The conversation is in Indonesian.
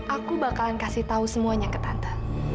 aku bakalan kasih tahu semuanya ke tante